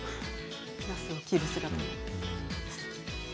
なすを切る姿も。